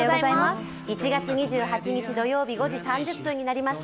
１月２８日土曜日５時３０分になりました。